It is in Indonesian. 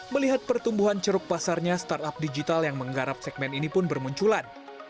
melihat pertumbuhan ceruk pasarnya startup digital yang menggarap segmen ini pun bermunculan